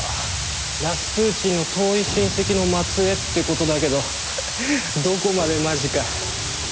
ラスプーチンの遠い親戚の末裔って事だけどどこまでマジか。